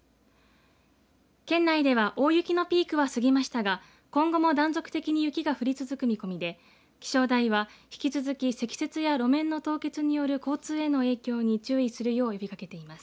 県内では大雪のピークは過ぎましたが今後も断続的に雪が降り続く見込みで気象台は引き続き積雪や路面の凍結による交通への影響に注意するよう呼びかけています。